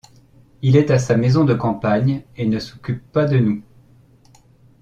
Il est à sa maison de campagne et ne s’occupe pas de nous.